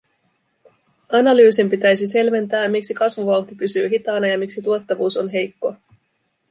Analyysin pitäisi selventää, miksi kasvuvauhti pysyy hitaana ja miksi tuottavuus on heikkoa.